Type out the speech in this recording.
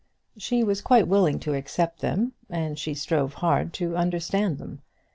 She was quite willing to accept them, and she strove hard to understand them.